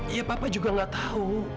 ya papa juga gak tahu